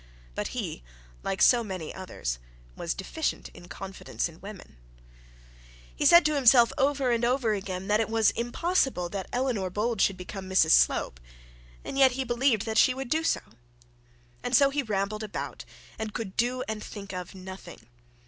But he, like so many others, was deficient in confidence in woman. He said to himself over and over again that it was impossible that Eleanor Bold should become Mrs Slope, and yet he believed that she would do so. And so he rambled about, and could do and think of nothing.